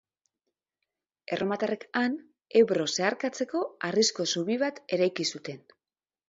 Erromatarrek han Ebro zeharkatzeko harrizko zubi bat eraiki zuten.